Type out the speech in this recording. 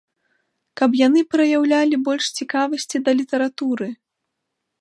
Каб яны праяўлялі больш цікавасці да літаратуры.